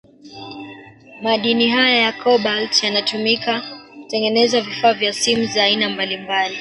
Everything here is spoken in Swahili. Madini haya ya Kobalt yanatuimika kutengeneza vifaa vya simu za aina mbalimbali